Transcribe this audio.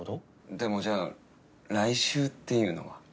でもじゃあ来週っていうのは？